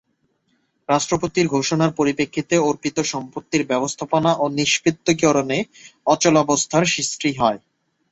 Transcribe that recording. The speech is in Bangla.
রাষ্ট্রপতির ঘোষণার পরিপ্রেক্ষিতে অর্পিত সম্পত্তির ব্যবস্থাপনা ও নিষ্পত্তিকরণে অচলাবস্থার সৃষ্টি হয়।